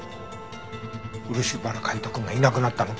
漆原海斗くんがいなくなったの？